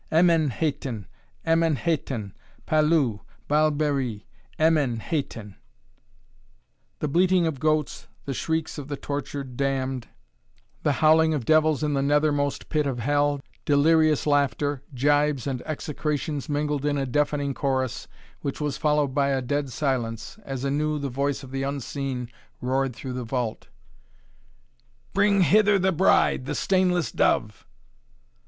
"Emen Hetan! Emen Hetan! Palu! Baalberi! Emen Hetan!" The bleating of goats, the shrieks of the tortured damned, the howling of devils in the nethermost pit of Hell, delirious laughter, gibes and execrations mingled in a deafening chorus, which was followed by a dead silence, as anew the voice of the Unseen roared through the vault: "Bring hither the bride, the stainless dove!"